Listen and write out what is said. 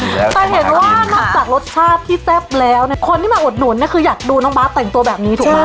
แต่เห็นว่านอกจากรสชาติที่แซ่บแล้วเนี่ยคนที่มาอุดหนุนเนี่ยคืออยากดูน้องบาทแต่งตัวแบบนี้ถูกไหม